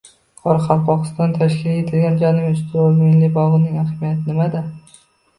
Qoraqalpog‘istonda tashkil etilgan “Janubiy Ustyurt” milliy bog‘ining ahamiyati nimada